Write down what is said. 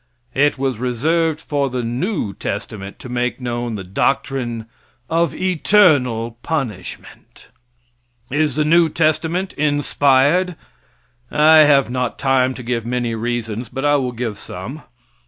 It was reserved for the new testament to make known the doctrine of eternal punishment. Is the new testament inspired? I have not time to give many reasons, but I will give some.